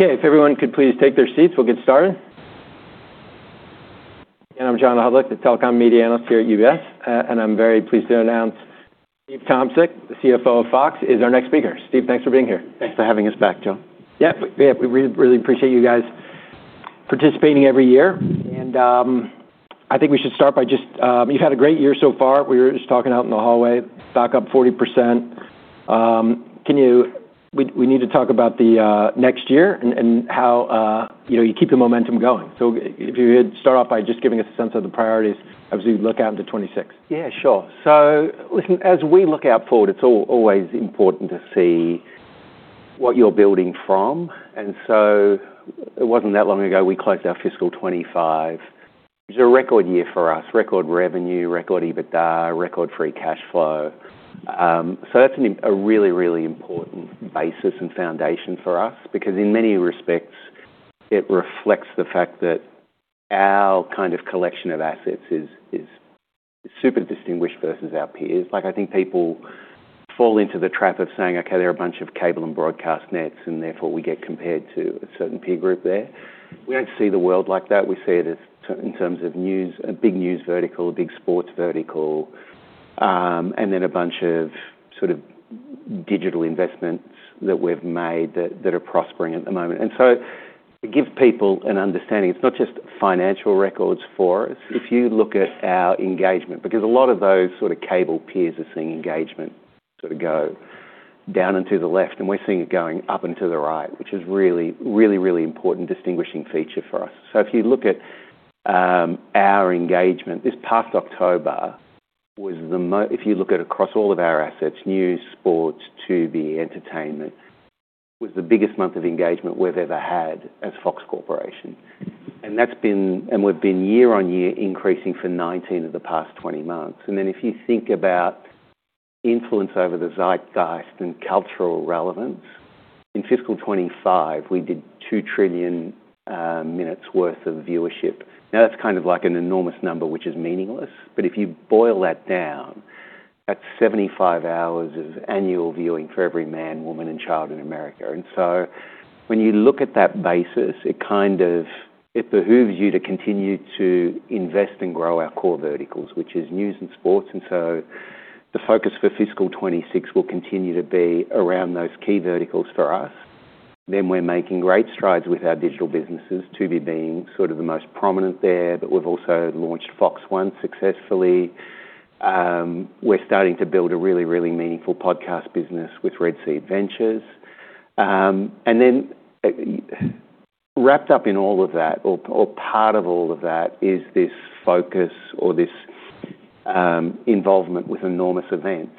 Okay. If everyone could please take their seats, we'll get started. Again, I'm John Hodulik, the telecom media analyst here at UBS, and I'm very pleased to announce Steve Tomsic, the CFO of Fox, is our next speaker. Steve, thanks for being here. Thanks for having us back, Joe. Yeah. We really appreciate you guys participating every year, and I think we should start by just, you've had a great year so far. We were just talking out in the hallway, back up 40%. We need to talk about the next year and how you keep the momentum going, so if you could start off by just giving us a sense of the priorities as we look out into 2026. Yeah, sure. So listen, as we look out forward, it's always important to see what you're building from. And so it wasn't that long ago we closed our fiscal 2025. It was a record year for us: record revenue, record EBITDA, record free cash flow. So that's a really, really important basis and foundation for us because, in many respects, it reflects the fact that our kind of collection of assets is super distinguished versus our peers. I think people fall into the trap of saying, "Okay, there are a bunch of cable and broadcast nets, and therefore we get compared to a certain peer group there." We don't see the world like that. We see it in terms of news, a big news vertical, a big sports vertical, and then a bunch of sort of digital investments that we've made that are prospering at the moment. And so it gives people an understanding. It's not just financial records for us. If you look at our engagement, because a lot of those sort of cable peers are seeing engagement sort of go down and to the left, and we're seeing it going up and to the right, which is a really, really important distinguishing feature for us. So if you look at our engagement, this past October was the biggest month of engagement we've ever had across all of our assets, news, sports, TV, entertainment, as Fox Corporation. And we've been year-on-year increasing for 19 of the past 20 months. And then if you think about influence over the zeitgeist and cultural relevance, in fiscal 2025, we did 2 trillion minutes' worth of viewership. Now, that's kind of like an enormous number, which is meaningless. But if you boil that down, that's 75 hours of annual viewing for every man, woman, and child in America. And so when you look at that basis, it kind of behooves you to continue to invest and grow our core verticals, which is news and sports. And so the focus for fiscal 2026 will continue to be around those key verticals for us. Then we're making great strides with our digital businesses, TV being sort of the most prominent there, but we've also launched FOX One successfully. We're starting to build a really, really meaningful podcast business with Red Seat Ventures. And then wrapped up in all of that, or part of all of that, is this focus or this involvement with enormous events.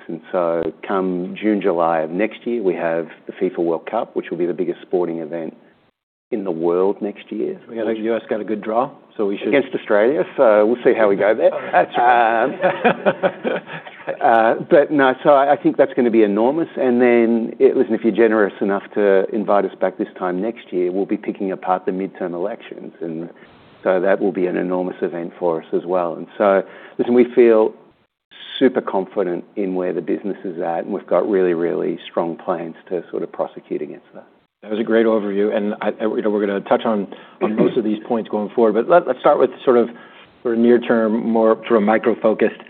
Come June, July of next year, we have the FIFA World Cup, which will be the biggest sporting event in the world next year. The U.S. got a good draw, so we should. Against Australia, so we'll see how we go there. That's right. But no, so I think that's going to be enormous, and then, listen, if you're generous enough to invite us back this time next year, we'll be picking apart the midterm elections, and so that will be an enormous event for us as well, and so listen, we feel super confident in where the business is at, and we've got really, really strong plans to sort of prosecute against that. That was a great overview, and we're going to touch on most of these points going forward, but let's start with sort of near-term, more sort of micro-focused.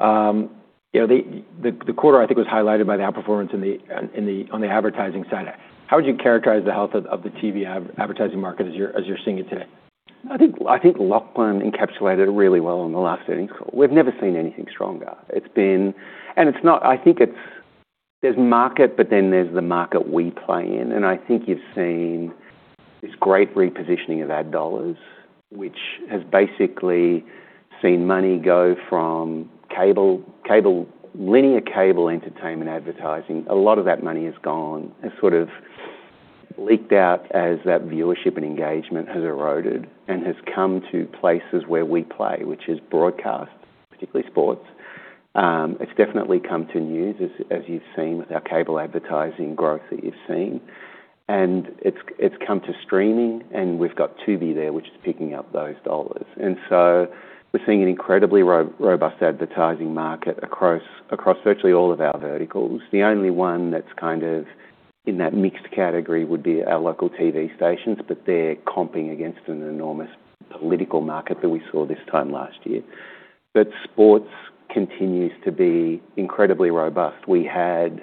The quarter, I think, was highlighted by the outperformance on the advertising side. How would you characterize the health of the TV advertising market as you're seeing it today? I think Lachlan encapsulated it really well in the last sitting. We've never seen anything stronger, and I think there's market, but then there's the market we play in, and I think you've seen this great repositioning of ad dollars, which has basically seen money go from cable, linear cable entertainment advertising. A lot of that money has gone, has sort of leaked out as that viewership and engagement has eroded and has come to places where we play, which is broadcast, particularly sports. It's definitely come to news, as you've seen, with our cable advertising growth that you've seen, and it's come to streaming, and we've got Tubi there, which is picking up those dollars, and so we're seeing an incredibly robust advertising market across virtually all of our verticals. The only one that's kind of in that mixed category would be our local TV stations, but they're comping against an enormous political market that we saw this time last year. But sports continues to be incredibly robust. We had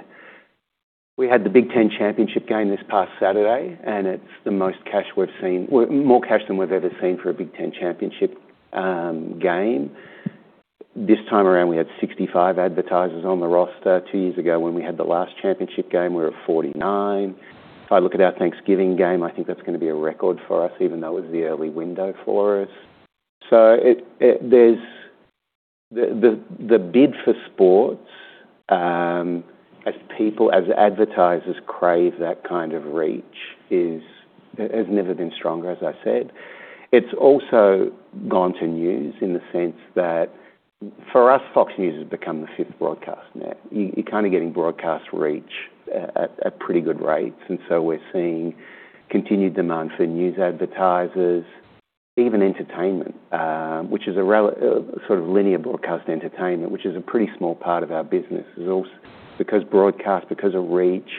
the Big Ten Championship game this past Saturday, and it's the most cash we've seen, more cash than we've ever seen for a Big Ten Championship game. This time around, we had 65 advertisers on the roster. Two years ago, when we had the last championship game, we were at 49. If I look at our Thanksgiving game, I think that's going to be a record for us, even though it was the early window for us. So the bid for sports, as people, as advertisers crave that kind of reach, has never been stronger, as I said. It's also gone to news in the sense that, for us, Fox News has become the fifth broadcast net. You're kind of getting broadcast reach at pretty good rates. And so we're seeing continued demand for news advertisers, even entertainment, which is a sort of linear broadcast entertainment, which is a pretty small part of our business because broadcast, because of reach,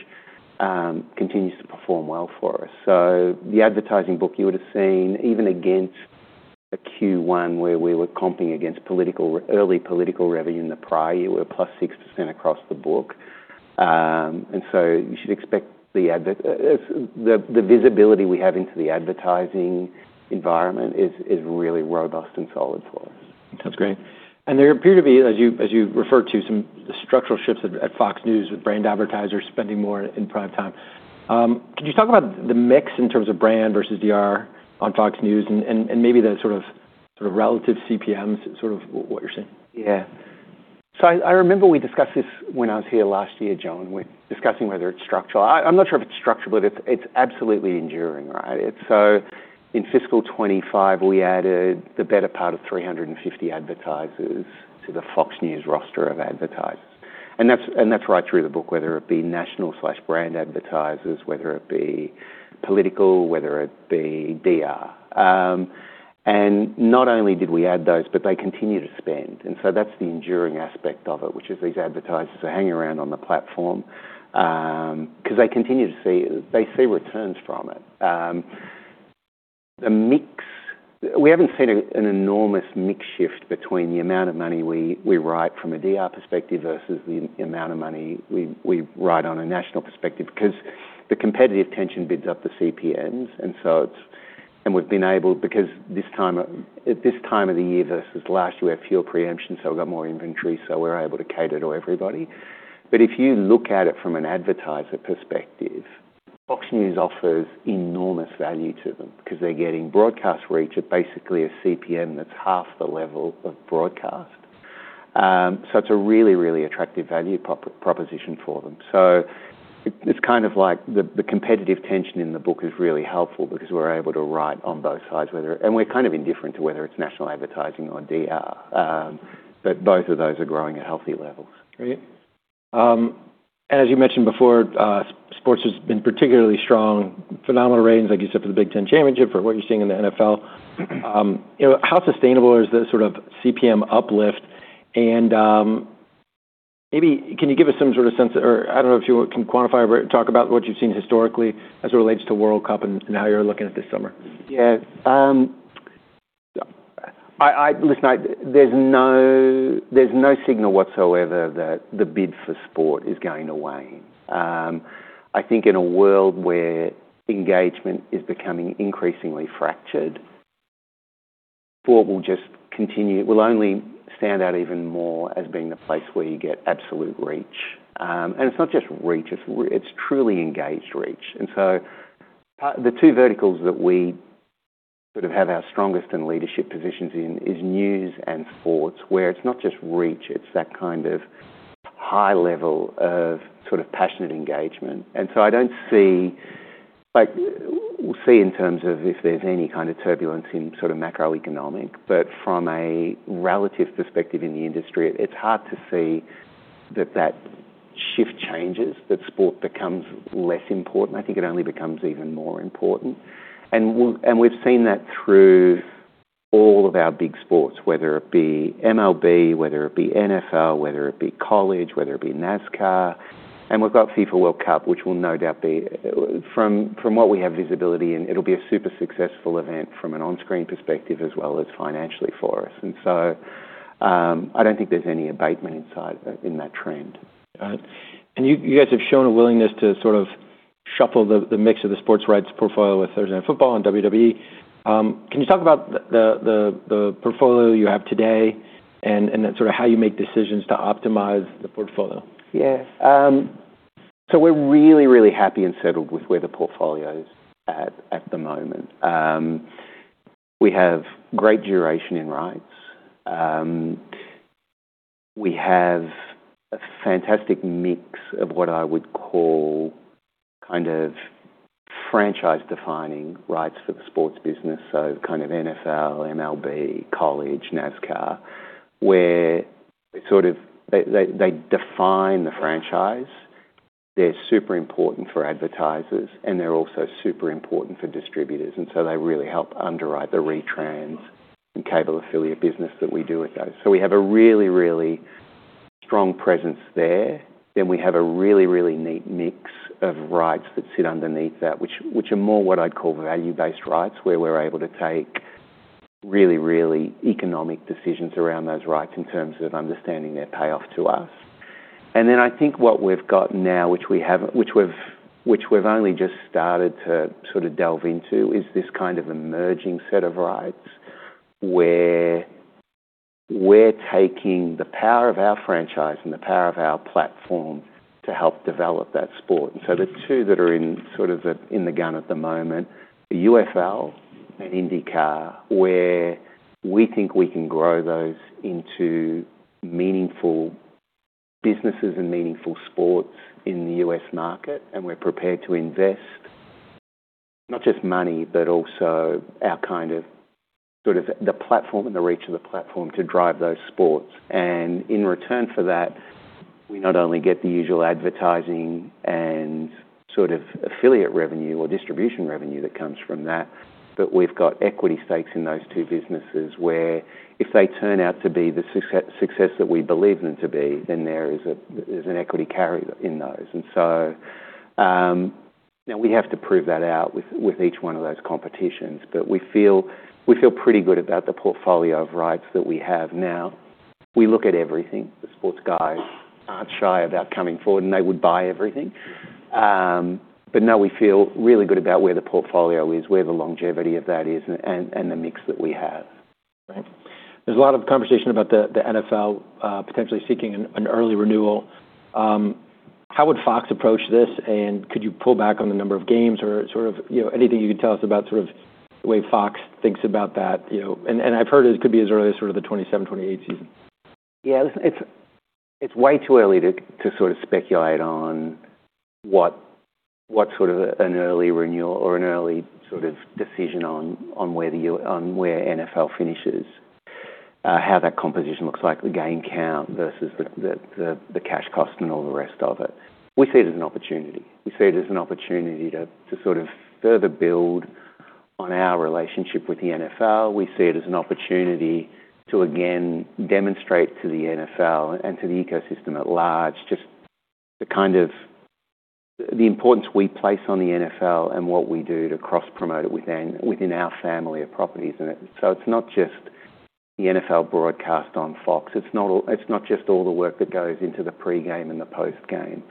continues to perform well for us. So the advertising book you would have seen, even against a Q1 where we were comping against early political revenue in the prior, you were plus 6% across the book. And so you should expect the visibility we have into the advertising environment is really robust and solid for us. That's great and there appear to be, as you referred to, some structural shifts at Fox News with brand advertisers spending more in prime time. Could you talk about the mix in terms of brand versus DR on Fox News and maybe the sort of relative CPMs, sort of what you're seeing? Yeah. So I remember we discussed this when I was here last year, John, discussing whether it's structural. I'm not sure if it's structural, but it's absolutely enduring, right? So in fiscal 2025, we added the better part of 350 advertisers to the Fox News roster of advertisers. And that's right through the book, whether it be national/brand advertisers, whether it be political, whether it be DR. And not only did we add those, but they continue to spend. And so that's the enduring aspect of it, which is these advertisers are hanging around on the platform because they continue to see, they see returns from it. We haven't seen an enormous mix shift between the amount of money we write from a DR perspective versus the amount of money we write on a national perspective because the competitive tension bids up the CPMs. And so it's, and we've been able because this time of the year versus last year, we have fewer preemptions, so we've got more inventory, so we're able to cater to everybody. But if you look at it from an advertiser perspective, Fox News offers enormous value to them because they're getting broadcast reach at basically a CPM that's half the level of broadcast. So it's a really, really attractive value proposition for them. So it's kind of like the competitive tension in the book is really helpful because we're able to write on both sides, whether, and we're kind of indifferent to whether it's national advertising or DR, but both of those are growing at healthy levels. Great. And as you mentioned before, sports has been particularly strong, phenomenal ratings, like you said, for the Big Ten Championship, for what you're seeing in the NFL. How sustainable is the sort of CPM uplift? And maybe can you give us some sort of sense—or I don't know if you can quantify or talk about what you've seen historically as it relates to World Cup and how you're looking at this summer? Yeah. Listen, there's no signal whatsoever that the bid for sport is going away. I think in a world where engagement is becoming increasingly fractured, sport will just continue, will only stand out even more as being the place where you get absolute reach. And it's not just reach, it's truly engaged reach. And so the two verticals that we sort of have our strongest in leadership positions in is news and sports, where it's not just reach, it's that kind of high level of sort of passionate engagement. And so I don't see, we'll see in terms of if there's any kind of turbulence in sort of macroeconomic, but from a relative perspective in the industry, it's hard to see that that shift changes, that sport becomes less important. I think it only becomes even more important. And we've seen that through all of our big sports, whether it be MLB, whether it be NFL, whether it be college, whether it be NASCAR. And we've got FIFA World Cup, which will no doubt be, from what we have visibility in, it'll be a super successful event from an on-screen perspective as well as financially for us. And so I don't think there's any abatement in that trend. All right. And you guys have shown a willingness to sort of shuffle the mix of the sports rights portfolio with Thurs Night Football and WWE. Can you talk about the portfolio you have today and sort of how you make decisions to optimize the portfolio? Yeah. So we're really, really happy and settled with where the portfolio is at the moment. We have great duration in rights. We have a fantastic mix of what I would call kind of franchise-defining rights for the sports business, so kind of NFL, MLB, college, NASCAR, where they define the franchise. They're super important for advertisers, and they're also super important for distributors, and so they really help underwrite the retrans and cable affiliate business that we do with those, so we have a really, really strong presence there, then we have a really, really neat mix of rights that sit underneath that, which are more what I'd call value-based rights, where we're able to take really, really economic decisions around those rights in terms of understanding their payoff to us. And then I think what we've got now, which we've only just started to sort of delve into, is this kind of emerging set of rights where we're taking the power of our franchise and the power of our platform to help develop that sport. And so the two that are sort of in the running at the moment, UFL and INDYCAR, where we think we can grow those into meaningful businesses and meaningful sports in the US market, and we're prepared to invest not just money, but also our kind of sort of the platform and the reach of the platform to drive those sports. And in return for that, we not only get the usual advertising and sort of affiliate revenue or distribution revenue that comes from that, but we've got equity stakes in those two businesses where if they turn out to be the success that we believe them to be, then there is an equity carrier in those. And so now we have to prove that out with each one of those competitions. But we feel pretty good about the portfolio of rights that we have now. We look at everything. The sports guys aren't shy about coming forward, and they would buy everything. But no, we feel really good about where the portfolio is, where the longevity of that is, and the mix that we have. Right. There's a lot of conversation about the NFL potentially seeking an early renewal. How would Fox approach this? And could you pull back on the number of games or sort of anything you could tell us about sort of the way Fox thinks about that? And I've heard it could be as early as sort of the 2027, 2028 season. Yeah. Listen, it's way too early to sort of speculate on what sort of an early renewal or an early sort of decision on where NFL finishes, how that composition looks like, the game count versus the cash cost and all the rest of it. We see it as an opportunity. We see it as an opportunity to sort of further build on our relationship with the NFL. We see it as an opportunity to, again, demonstrate to the NFL and to the ecosystem at large just the kind of the importance we place on the NFL and what we do to cross-promote it within our family of properties. And so it's not just the NFL broadcast on Fox. It's not just all the work that goes into the pregame and the postgame.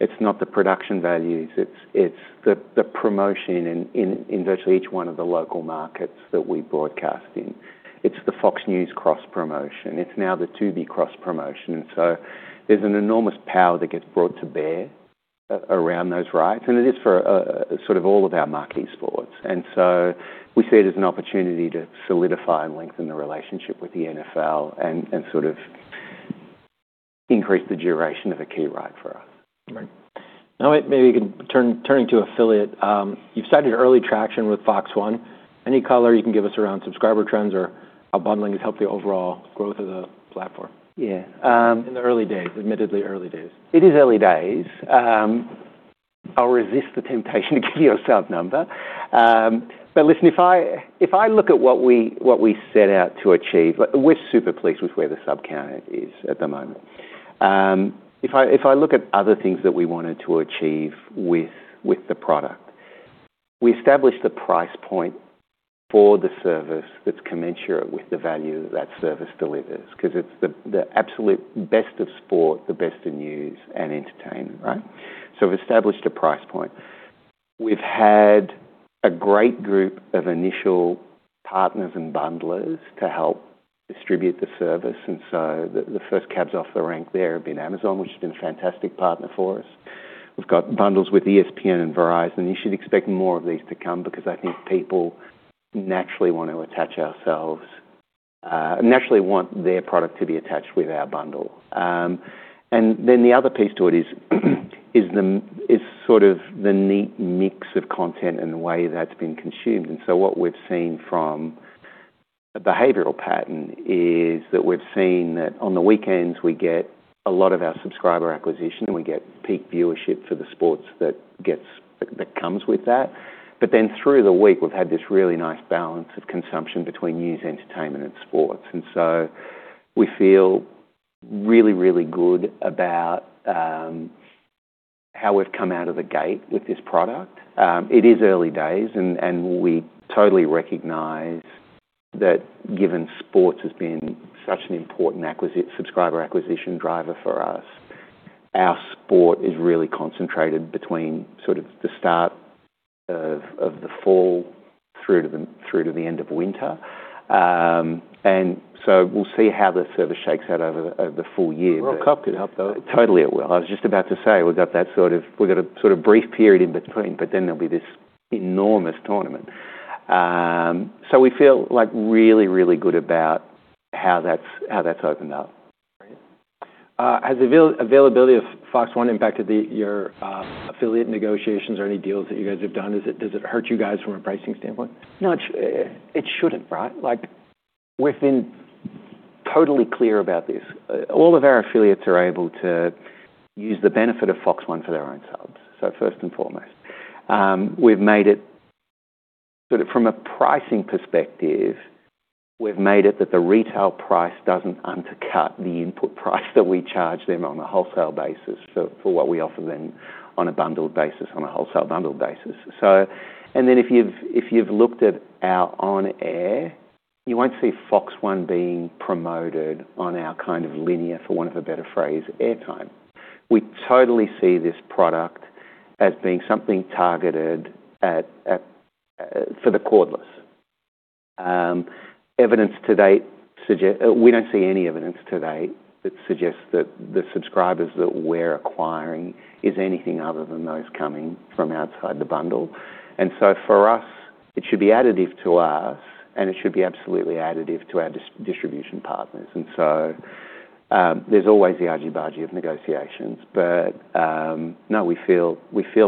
It's not the production values. It's the promotion in virtually each one of the local markets that we broadcast in. It's the Fox News cross-promotion. It's now the Tubi cross-promotion. And so there's an enormous power that gets brought to bear around those rights. And it is for sort of all of our marquee sports. And so we see it as an opportunity to solidify and lengthen the relationship with the NFL and sort of increase the duration of a key right for us. Right. Now, maybe turning to affiliate, you've cited early traction with FOX One. Any color you can give us around subscriber trends or how bundling has helped the overall growth of the platform? Yeah. In the early days, admittedly early days. It is early days. I'll resist the temptation to give you a sub number. But listen, if I look at what we set out to achieve, we're super pleased with where the sub count is at the moment. If I look at other things that we wanted to achieve with the product, we established the price point for the service that's commensurate with the value that service delivers because it's the absolute best of sport, the best in news and entertainment, right? So we've established a price point. We've had a great group of initial partners and bundlers to help distribute the service. And so the first cabs off the rank there have been Amazon, which has been a fantastic partner for us. We've got bundles with ESPN and Verizon. You should expect more of these to come because I think people naturally want to attach ourselves and naturally want their product to be attached with our bundle. And then the other piece to it is sort of the neat mix of content and the way that's been consumed. And so what we've seen from a behavioral pattern is that we've seen that on the weekends, we get a lot of our subscriber acquisition, and we get peak viewership for the sports that comes with that. But then through the week, we've had this really nice balance of consumption between news, entertainment, and sports. And so we feel really, really good about how we've come out of the gate with this product. It is early days, and we totally recognize that given sports has been such an important subscriber acquisition driver for us, our sports is really concentrated between sort of the start of the fall through to the end of winter, and so we'll see how the service shakes out over the full year. World Cup could help, though. Totally, it will. I was just about to say we've got a sort of brief period in between, but then there'll be this enormous tournament. So we feel really, really good about how that's opened up. Right. Has the availability of FOX One impacted your affiliate negotiations or any deals that you guys have done? Does it hurt you guys from a pricing standpoint? No, it shouldn't, right? We've been totally clear about this. All of our affiliates are able to use the benefit of FOX One for their own subs. So first and foremost, we've made it sort of from a pricing perspective, we've made it that the retail price doesn't undercut the input price that we charge them on a wholesale basis for what we offer them on a bundled basis, on a wholesale bundled basis. And then if you've looked at our on-air, you won't see FOX One being promoted on our kind of linear, for want of a better phrase, airtime. We totally see this product as being something targeted for the cordless. Evidence to date suggests we don't see any evidence to date that suggests that the subscribers that we're acquiring is anything other than those coming from outside the bundle. And so for us, it should be additive to us, and it should be absolutely additive to our distribution partners. And so there's always the argy-bargy of negotiations. But no, we feel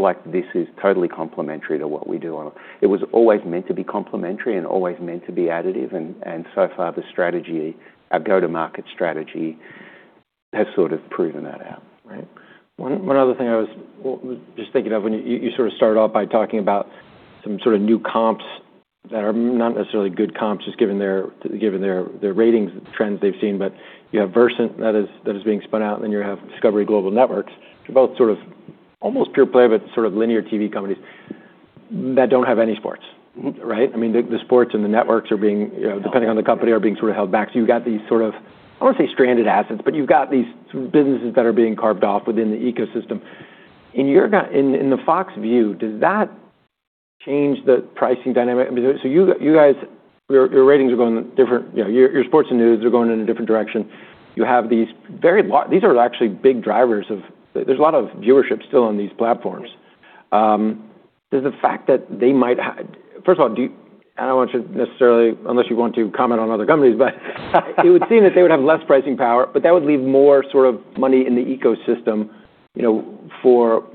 like this is totally complementary to what we do. It was always meant to be complementary and always meant to be additive. And so far, the strategy, our go-to-market strategy, has sort of proven that out. Right. One other thing I was just thinking of when you sort of started off by talking about some sort of new comps that are not necessarily good comps, just given their ratings, trends they've seen. But you have Versant that is being spun out, and then you have Discovery Global Networks, which are both sort of almost pure play, but sort of linear TV companies that don't have any sports, right? I mean, the sports and the networks are being, depending on the company, are being sort of held back. So you've got these sort of, I won't say stranded assets, but you've got these businesses that are being carved off within the ecosystem. In the Fox view, does that change the pricing dynamic? So you guys, your ratings are going different. Your sports and news are going in a different direction. You have these very large, these are actually big drivers of, there's a lot of viewership still on these platforms. Does the fact that they might, first of all, I don't want you to necessarily, unless you want to comment on other companies, but it would seem that they would have less pricing power, but that would leave more sort of money in the ecosystem for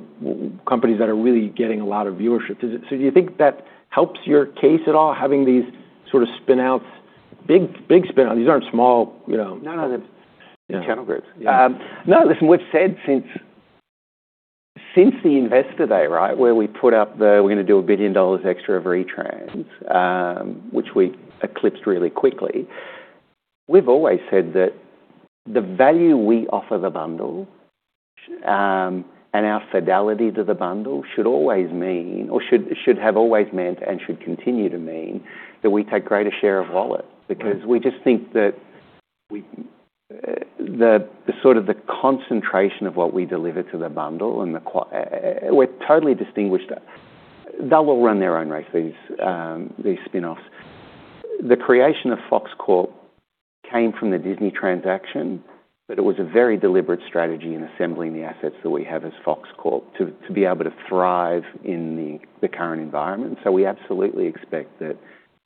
companies that are really getting a lot of viewership. So do you think that helps your case at all, having these sort of spinouts, big spinouts? These aren't small. No, no. Channel groups. Yeah. No, listen. We've said since the investor day, right, where we put up the "We're going to do $1 billion extra of retrans," which we eclipsed really quickly. We've always said that the value we offer the bundle and our fidelity to the bundle should always mean, or should have always meant, and should continue to mean that we take greater share of wallet because we just think that the sort of the concentration of what we deliver to the bundle and the, we're totally distinguished. They'll all run their own races, these spinoffs. The creation of Fox Corp came from the Disney transaction, but it was a very deliberate strategy in assembling the assets that we have as Fox Corp to be able to thrive in the current environment. So we absolutely expect that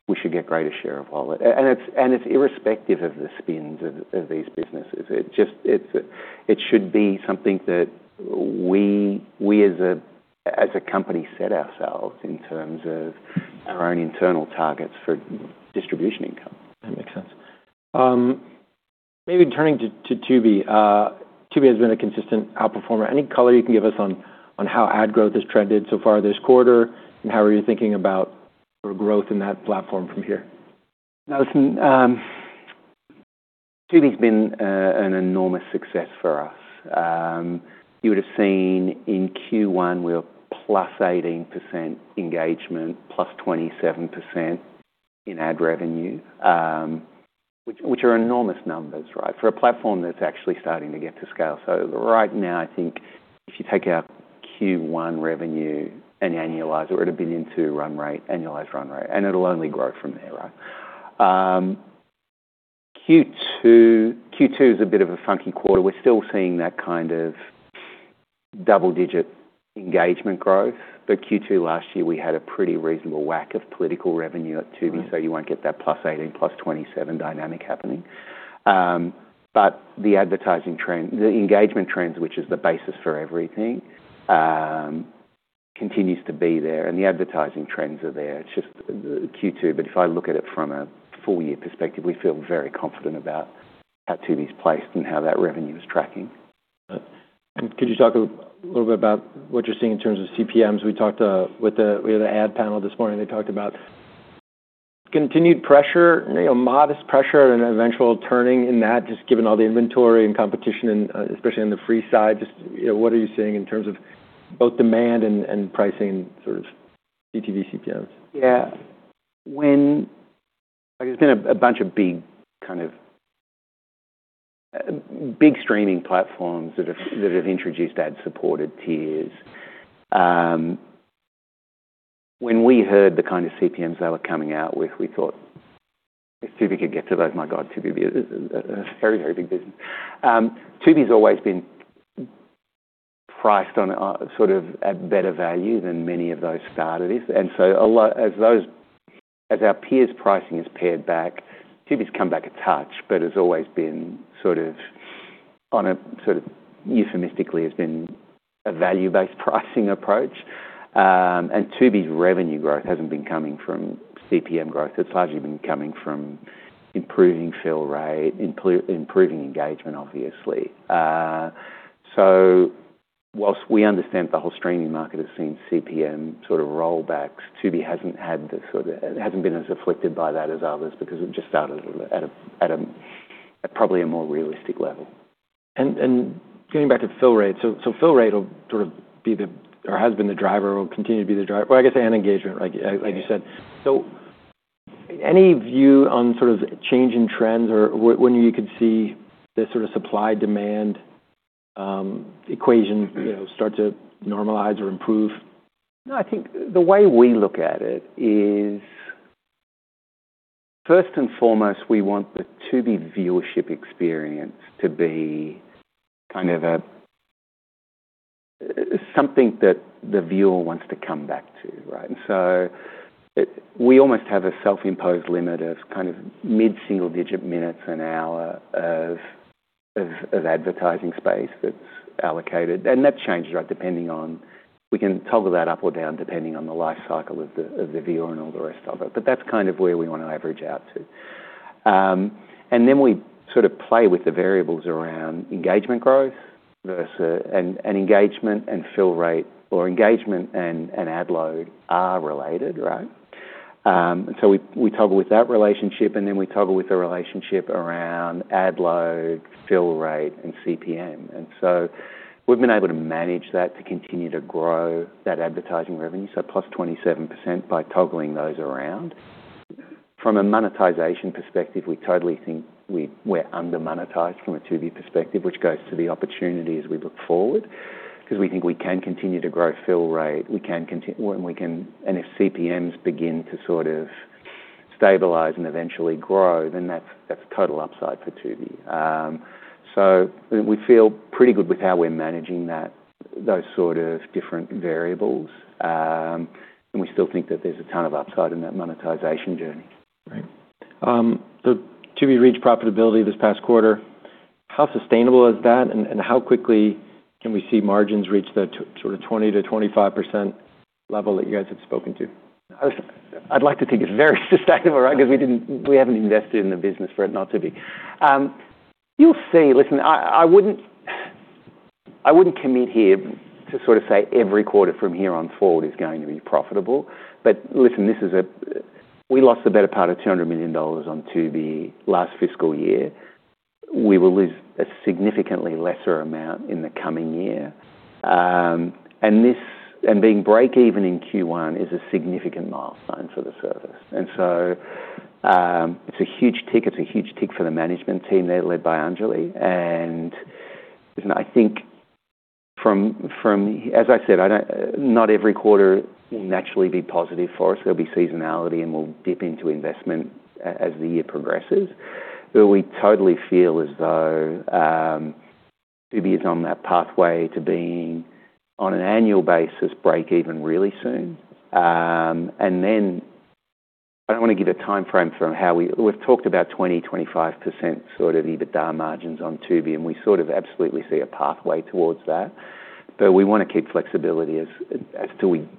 we should get greater share of wallet. It's irrespective of the spins of these businesses. It should be something that we, as a company, set ourselves in terms of our own internal targets for distribution income. That makes sense. Maybe turning to Tubi. Tubi has been a consistent outperformer. Any color you can give us on how ad growth has trended so far this quarter and how are you thinking about growth in that platform from here? No, listen, Tubi's been an enormous success for us. You would have seen in Q1, we were plus 18% engagement, plus 27% in ad revenue, which are enormous numbers, right, for a platform that's actually starting to get to scale, so right now, I think if you take our Q1 revenue and annualize it, it would have been into run rate, annualized run rate, and it'll only grow from there, right? Q2 is a bit of a funky quarter. We're still seeing that kind of double-digit engagement growth, but Q2 last year, we had a pretty reasonable whack of political revenue at Tubi, so you won't get that +18, +27 dynamic happening. But the advertising trend, the engagement trends, which is the basis for everything, continues to be there, and the advertising trends are there. It's just Q2. But if I look at it from a full-year perspective, we feel very confident about how Tubi's placed and how that revenue is tracking. Could you talk a little bit about what you're seeing in terms of CPMs? We talked with the ad panel this morning. They talked about continued pressure, modest pressure, and eventual turning in that, just given all the inventory and competition, especially on the free side. Just what are you seeing in terms of both demand and pricing and sort of CTV CPMs? Yeah. There's been a bunch of big kind of big streaming platforms that have introduced ad-supported tiers. When we heard the kind of CPMs they were coming out with, we thought, "If Tubi could get to those, my God, Tubi would be a very, very big business." Tubi's always been priced on sort of at better value than many of those starters. And so as our peers' pricing has pared back, Tubi's come back a touch, but it's always been sort of on a sort of euphemistically, it's been a value-based pricing approach. And Tubi's revenue growth hasn't been coming from CPM growth. It's largely been coming from improving fill rate, improving engagement, obviously. So while we understand the whole streaming market has seen CPM sort of rollbacks, Tubi hasn't had the sort of. It hasn't been as afflicted by that as others because it just started at probably a more realistic level. Getting back to fill rate, so fill rate will sort of be the or has been the driver or will continue to be the driver, or I guess, and engagement, like you said. Any view on sort of change in trends or when you could see this sort of supply-demand equation start to normalize or improve? No, I think the way we look at it is, first and foremost, we want the Tubi viewership experience to be kind of something that the viewer wants to come back to, right? And so we almost have a self-imposed limit of kind of mid-single-digit minutes an hour of advertising space that's allocated. And that changes, right, depending on we can toggle that up or down depending on the life cycle of the viewer and all the rest of it. But that's kind of where we want to average out to. And then we sort of play with the variables around engagement growth and engagement and fill rate or engagement and ad load are related, right? And so we toggle with that relationship, and then we toggle with the relationship around ad load, fill rate, and CPM. And so we've been able to manage that to continue to grow that advertising revenue, so +27% by toggling those around. From a monetization perspective, we totally think we're under-monetized from a Tubi perspective, which goes to the opportunity as we look forward because we think we can continue to grow fill rate. We can continue, and if CPMs begin to sort of stabilize and eventually grow, then that's total upside for Tubi. So we feel pretty good with how we're managing those sort of different variables. And we still think that there's a ton of upside in that monetization journey. Right. Tubi reached profitability this past quarter. How sustainable is that, and how quickly can we see margins reach the sort of 20%-25% level that you guys had spoken to? I'd like to think it's very sustainable, right, because we haven't invested in the business for it not to be. You'll see. Listen, I wouldn't commit here to sort of say every quarter from here on forward is going to be profitable. But listen, we lost the better part of $200 million on Tubi last fiscal year. We will lose a significantly lesser amount in the coming year. And being break-even in Q1 is a significant milestone for the service. And so it's a huge tick. It's a huge tick for the management team there led by Anjali. And I think, as I said, not every quarter will naturally be positive for us. There'll be seasonality, and we'll dip into investment as the year progresses. But we totally feel as though Tubi is on that pathway to being, on an annual basis, break-even really soon. Then I don't want to give a timeframe from how we've talked about 20%-25% sort of EBITDA margins on Tubi, and we sort of absolutely see a pathway towards that. But we want to keep flexibility as to in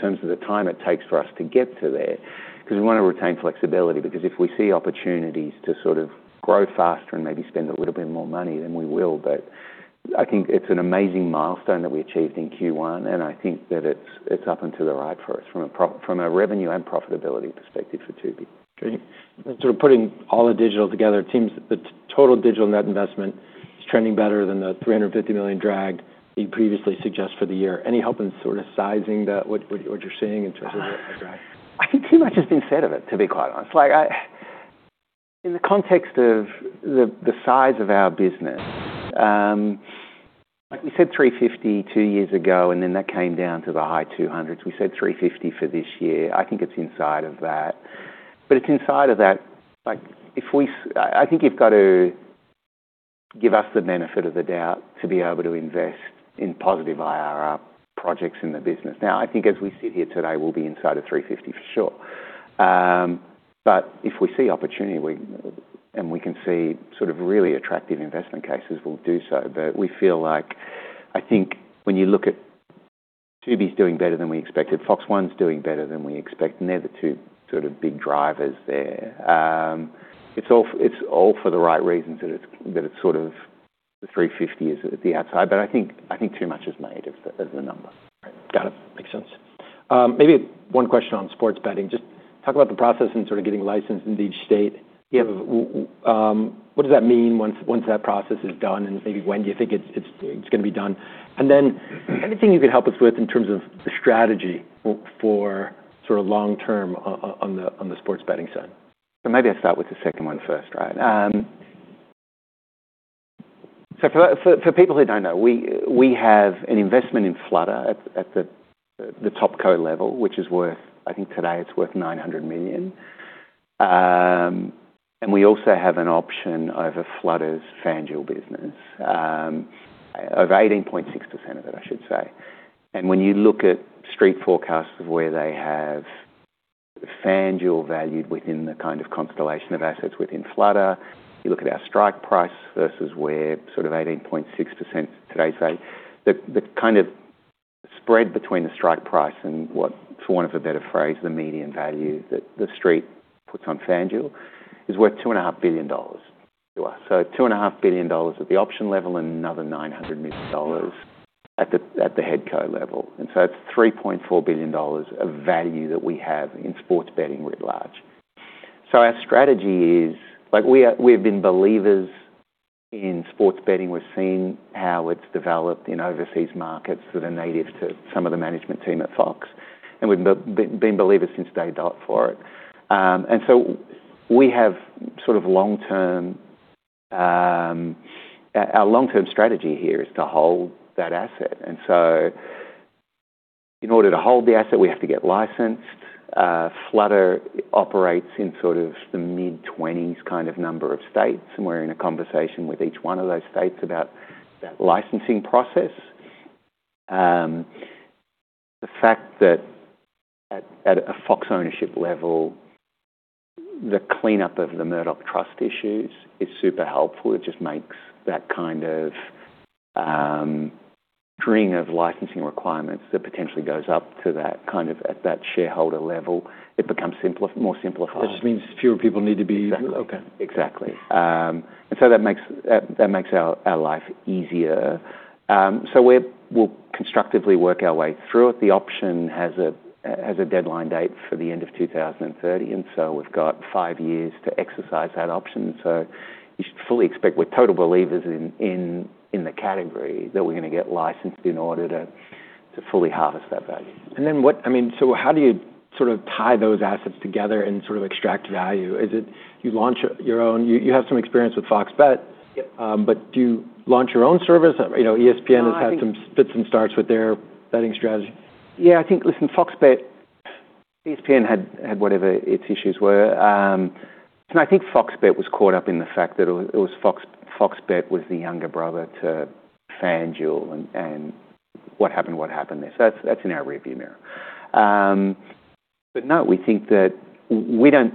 terms of the time it takes for us to get to there because we want to retain flexibility because if we see opportunities to sort of grow faster and maybe spend a little bit more money, then we will. But I think it's an amazing milestone that we achieved in Q1, and I think that it's up and to the right for us from a revenue and profitability perspective for Tubi. Okay. And sort of putting all the digital together, it seems the total digital net investment is trending better than the $350 million drag that you previously suggested for the year. Any help in sort of sizing what you're seeing in terms of the drag? I think too much has been said of it, to be quite honest. In the context of the size of our business, we said 350 two years ago, and then that came down to the high 200s. We said 350 for this year. I think it's inside of that. But it's inside of that. I think you've got to give us the benefit of the doubt to be able to invest in positive IRR projects in the business. Now, I think as we sit here today, we'll be inside of 350 for sure. But if we see opportunity and we can see sort of really attractive investment cases, we'll do so. But we feel like I think when you look at Tubi's doing better than we expected, Fox One's doing better than we expect, and they're the two sort of big drivers there. It's all for the right reasons that it's sort of the 350 is at the outside. But I think too much is made of the number. Got it. Makes sense. Maybe one question on sports betting. Just talk about the process in sort of getting licensed in each state. What does that mean once that process is done, and maybe when do you think it's going to be done? And then anything you could help us with in terms of the strategy for sort of long-term on the sports betting side? So maybe I'll start with the second one first, right? So for people who don't know, we have an investment in Flutter at the top co-level, which is worth, I think today it's worth $900 million. And we also have an option over Flutter's FanDuel business, over 18.6% of it, I should say. And when you look at street forecasts of where they have FanDuel valued within the kind of constellation of assets within Flutter, you look at our strike price versus where sort of 18.6% today's value, the kind of spread between the strike price and what, for want of a better phrase, the median value that the street puts on FanDuel is worth $2.5 billion to us. So $2.5 billion at the option level and another $900 million at the headco level. And so it's $3.4 billion of value that we have in sports betting writ large. So our strategy is we have been believers in sports betting. We've seen how it's developed in overseas markets that are native to some of the management team at Fox. And we've been believers since day dot for it. And so we have sort of long-term our long-term strategy here is to hold that asset. And so in order to hold the asset, we have to get licensed. Flutter operates in sort of the mid-20s kind of number of states. And we're in a conversation with each one of those states about that licensing process. The fact that at a Fox ownership level, the cleanup of the Murdoch Trust issues is super helpful. It just makes that kind of string of licensing requirements that potentially goes up to that kind of at that shareholder level, it becomes more simplified. That just means fewer people need to be. Exactly. Exactly. And so that makes our life easier. So we'll constructively work our way through it. The option has a deadline date for the end of 2030, and so we've got five years to exercise that option. So you should fully expect we're total believers in the category that we're going to get licensed in order to fully harvest that value. And then what I mean, so how do you sort of tie those assets together and sort of extract value? Is it you launch your own? You have some experience with Fox Bet, but do you launch your own service? ESPN has had some fits and starts with their betting strategy. Yeah. I think, listen, FOX Bet ESPN had whatever its issues were. And I think Fox Bet was caught up in the fact that it was the younger brother to FanDuel and what happened there. So that's in our rearview mirror. But no, we think that we don't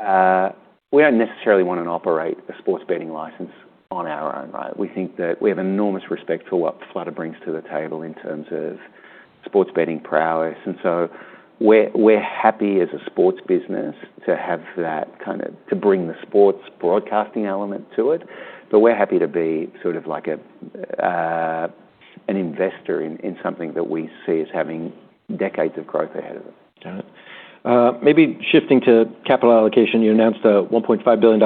necessarily want to operate a sports betting license on our own, right? We think that we have enormous respect for what Flutter brings to the table in terms of sports betting prowess. And so we're happy as a sports business to have that kind of to bring the sports broadcasting element to it. But we're happy to be sort of like an investor in something that we see as having decades of growth ahead of it. Got it. Maybe shifting to capital allocation, you announced a $1.5 billion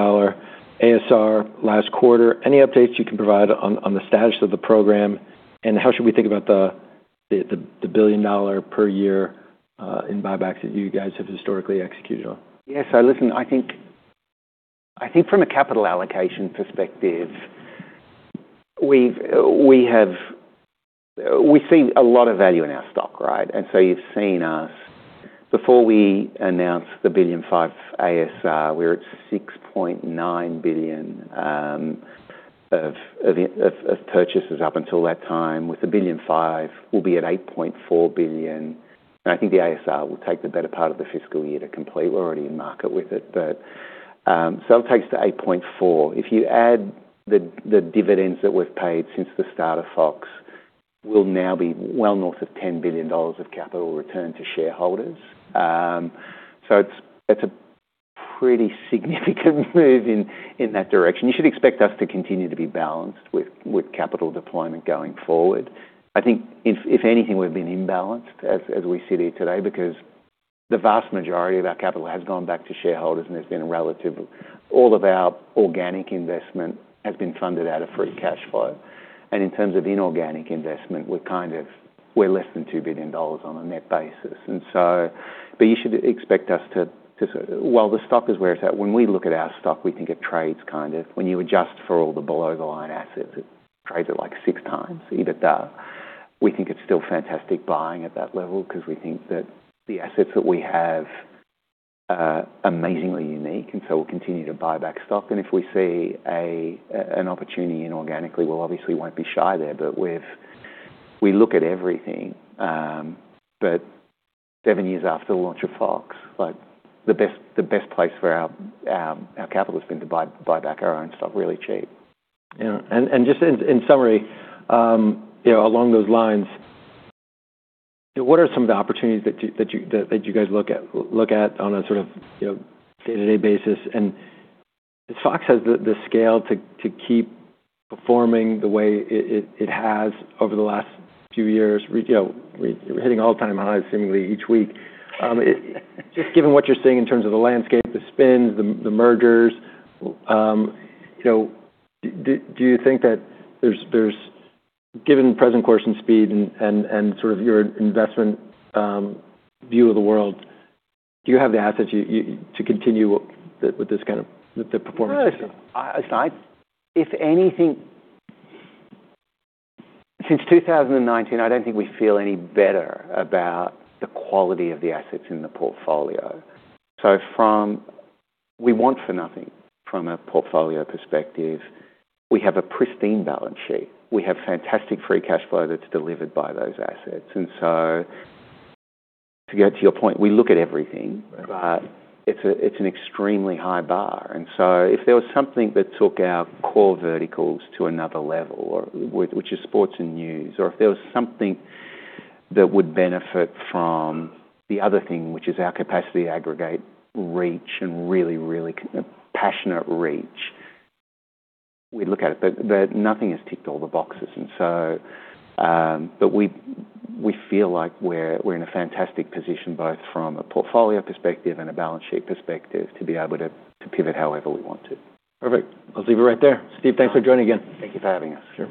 ASR last quarter. Any updates you can provide on the status of the program, and how should we think about the $1 billion-per-year in buybacks that you guys have historically executed on? Yes. Listen, I think from a capital allocation perspective, we see a lot of value in our stock, right? And so you've seen us before we announced the $1.5 billion ASR, we were at $6.9 billion of purchases up until that time. With the $1.5 billion, we'll be at $8.4 billion. And I think the ASR will take the better part of the fiscal year to complete. We're already in market with it. So it takes to $8.4 billion. If you add the dividends that we've paid since the start of Fox, we'll now be well north of $10 billion of capital return to shareholders. So it's a pretty significant move in that direction. You should expect us to continue to be balanced with capital deployment going forward. I think, if anything, we've been imbalanced as we sit here today because the vast majority of our capital has gone back to shareholders, and there's been relatively all of our organic investment has been funded out of free cash flow. In terms of inorganic investment, we're kind of less than $2 billion on a net basis. You should expect us to, while the stock is where it's at. When we look at our stock, we think it trades kind of, when you adjust for all the below-the-line assets, at like six times EBITDA. We think it's still fantastic buying at that level because we think that the assets that we have are amazingly unique. We'll continue to buy back stock. If we see an opportunity inorganically, we'll obviously won't be shy there. We look at everything. But seven years after the launch of Fox, the best place for our capital has been to buy back our own stock really cheap. Yeah. And just in summary, along those lines, what are some of the opportunities that you guys look at on a sort of day-to-day basis? And has Fox had the scale to keep performing the way it has over the last few years? We're hitting all-time highs, seemingly, each week. Just given what you're seeing in terms of the landscape, the spins, the mergers, do you think that there's, given present course and speed and sort of your investment view of the world, do you have the assets to continue with this kind of the performance you're seeing? Listen, if anything, since 2019, I don't think we feel any better about the quality of the assets in the portfolio. So we want for nothing from a portfolio perspective. We have a pristine balance sheet. We have fantastic free cash flow that's delivered by those assets. And so to get to your point, we look at everything, but it's an extremely high bar. And so if there was something that took our core verticals to another level, which is sports and news, or if there was something that would benefit from the other thing, which is our capacity to aggregate reach and really, really passionate reach, we'd look at it. But nothing has ticked all the boxes. But we feel like we're in a fantastic position both from a portfolio perspective and a balance sheet perspective to be able to pivot however we want to. Perfect. I'll leave it right there. Steve, thanks for joining again. Thank you for having us.